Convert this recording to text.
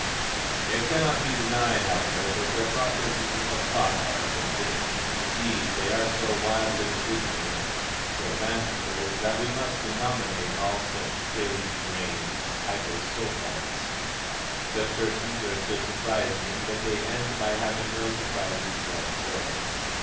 It cannot be denied, however, that their processes of thought are sulphitic; indeed, they are so wildly original, so fanciful, that we must denominate all such crazed brains, Hypo Sulphites. Such persons are so surprising that they end by having no surprises left for us.